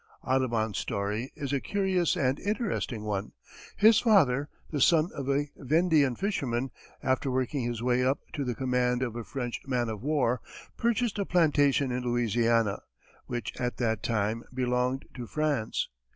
Audubon's story is a curious and interesting one. His father, the son of a Vendean fisherman, after working his way up to the command of a French man of war, purchased a plantation in Louisiana, which at that time belonged to France.